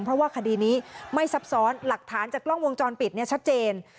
เพราะว่าคดีนี้ไม่ซับซ้อนหลักฐานจากกล้องวงจรปิดชัดเจน